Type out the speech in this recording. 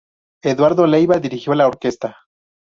Eduardo Leiva dirigió la orquesta.